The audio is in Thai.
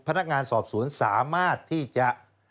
พนักงานสอบสวนสามารถที่จะ